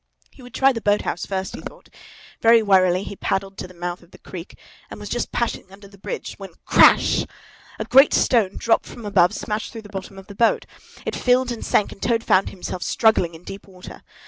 He would try the boat house first, he thought. Very warily he paddled up to the mouth of the creek, and was just passing under the bridge, when ... Crash! A great stone, dropped from above, smashed through the bottom of the boat. It filled and sank, and Toad found himself struggling in deep water.